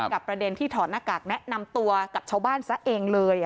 ประเด็นที่ถอดหน้ากากแนะนำตัวกับชาวบ้านซะเองเลย